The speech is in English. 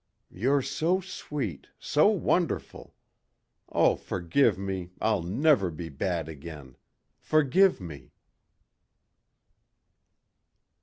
"You're so sweet.... So wonderful. Oh, forgive me.... I'll never be bad again.... Forgive me...."